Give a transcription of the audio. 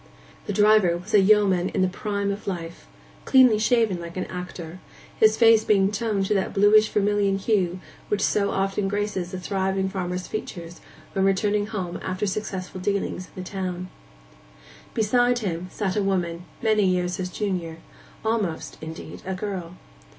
The driver was a yeoman in the prime of life, cleanly shaven like an actor, his face being toned to that bluish vermilion hue which so often graces a thriving farmer's features when returning home after successful dealings in the town. Beside him sat a woman, many years his junior—almost, indeed, a girl.